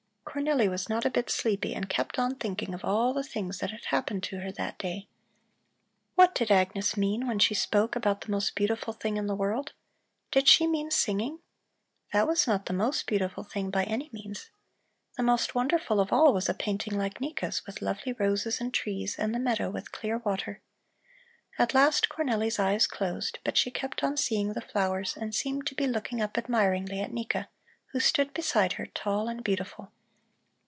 Cornelli was not a bit sleepy and kept on thinking of all the things that had happened to her that day. What did Agnes mean when she spoke about the most beautiful thing in the world? Did she mean singing? That was not the most beautiful thing by any means. The most wonderful of all was a painting like Nika's, with lovely roses and trees and the meadow with clear water. At last Cornelli's eyes closed, but she kept on seeing the flowers and seemed to be looking up admiringly at Nika, who stood beside her, tall and beautiful.